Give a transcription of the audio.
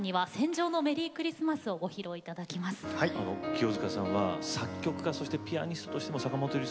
清塚さんは作曲家そしてピアニストとしても坂本龍一さん